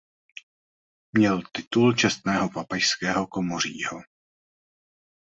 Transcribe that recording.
Měl titul čestného papežského komořího.